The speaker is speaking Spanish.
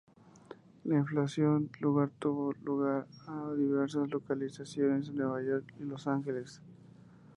La filmación lugar tuvo lugar en diversas localizaciones de Nueva York y Los Ángeles.